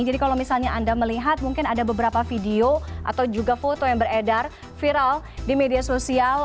jadi kalau misalnya anda melihat mungkin ada beberapa video atau juga foto yang beredar viral di media sosial